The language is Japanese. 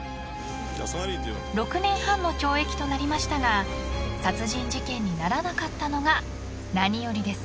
［６年半の懲役となりましたが殺人事件にならなかったのが何よりですね］